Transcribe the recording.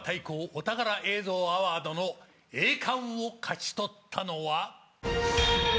お宝映像アワードの栄冠を勝ち取ったのは。